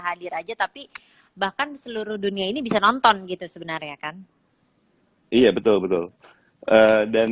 hadir aja tapi bahkan seluruh dunia ini bisa nonton gitu sebenarnya kan iya betul betul dan